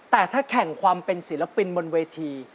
แต่ถ้าแข่งความเป็นศิลปินบนเวที